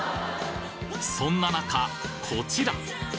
そんな中こちら！